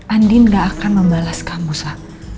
andien gak akan membalas kamu sa